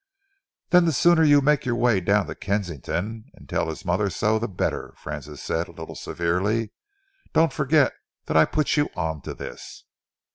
"Then the sooner you make your way down to Kensington and tell his mother so, the better," Francis said, a little severely. "Don't forget that I put you on to this."